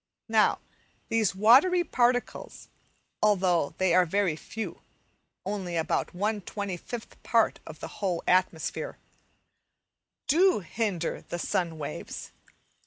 Now, these watery particles, although they are very few (only about one twenty fifth part of the whole atmosphere), do hinder the sun waves.